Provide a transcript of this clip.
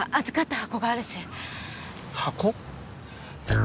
箱？